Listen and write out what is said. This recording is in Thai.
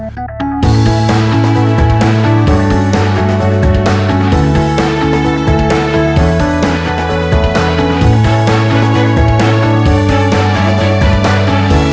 การลงทุนมันก็มีความเสี่ยงของมันนะครับ